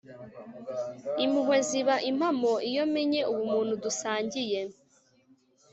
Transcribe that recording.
impuhwe ziba impamo iyo menye ubumuntu dusangiye.